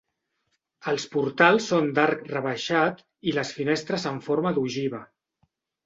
Els portals són d'arc rebaixat i les finestres en forma d'ogiva.